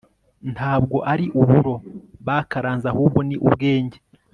ntabwo ari uburo bakaranze ahubwo ni ubwenge